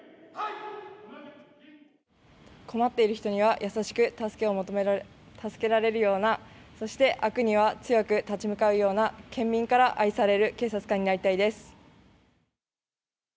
困っている人には優しく助けられるような、そして悪には強く立ち向かうような、県民から愛される警察官になりたいです。